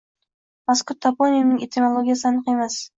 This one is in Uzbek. Mazkur toponimning etimologiyasi aniq emas.